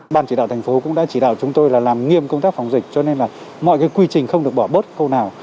ban chỉ đạo thành phố cũng đã chỉ đạo chúng tôi là làm nghiêm công tác phòng dịch cho nên là mọi cái quy trình không được bỏ bớt khâu nào